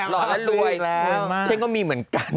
หล่อแล้วรวยเช่นก็มีเหมือนกัน